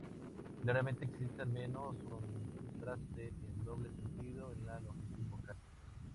Claramente existe, al menos, un contraste en doble sentido en la longitud vocal.